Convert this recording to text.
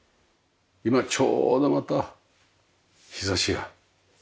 今ちょうどまた日差しが。